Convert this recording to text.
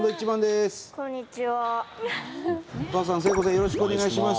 よろしくお願いします。